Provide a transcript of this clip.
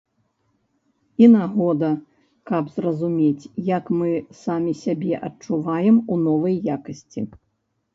І нагода, каб зразумець, як мы самі сябе адчуваем у новай якасці.